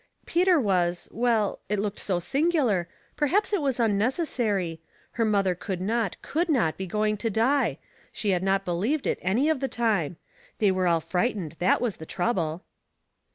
" Peter was — well, it looked so singular — perhaps it was unnecessary —her mother could not, could not be going to die ; she had not be lieved it any of the time. They were all fright ened, that was the trouble."